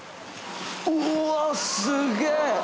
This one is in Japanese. うわすげえ！